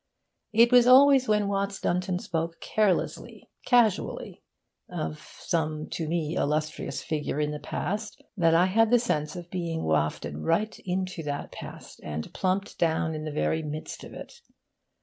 It was always when Watts Dunton spoke carelessly, casually, of some to me illustrious figure in the past, that I had the sense of being wafted right into that past and plumped down in the very midst of it.